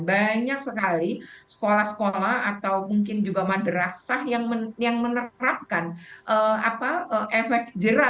banyak sekali sekolah sekolah atau mungkin juga madrasah yang menerapkan efek jerah